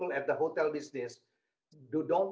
hanya sedikit waktu